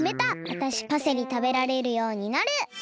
わたしパセリたべられるようになる！